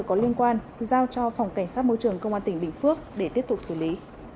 có liên quan giao cho phòng cảnh sát môi trường công an tỉnh bình phước để tiếp tục xử lý